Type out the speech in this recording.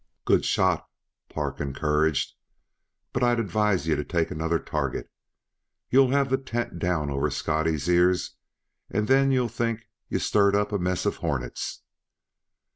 "Good shot," Park encouraged, "but I'd advise yuh to take another target. You'll have the tent down over Scotty's ears, and then you'll think yuh stirred up a mess uh hornets.